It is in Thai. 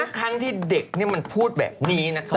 ทุกครั้งที่เด็กนี้มันพูดแบบนี้นะ